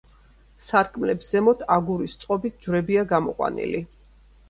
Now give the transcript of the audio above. სარკმლებს ზემოთ აგურის წყობით ჯვრებია გამოყვანილი.